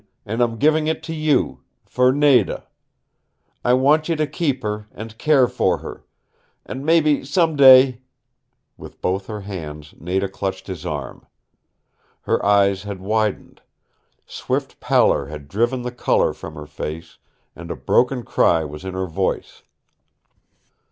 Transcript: And I'm giving it to you for Nada. I want you to keep her, and care for her, and mebby some day " With both her hands Nada clutched his arm. Her eyes had widened. Swift pallor had driven the color from her face, and a broken cry was in her voice.